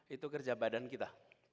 itu kerja badan kita